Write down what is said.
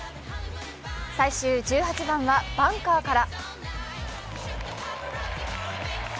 最終１８番はバンカーから。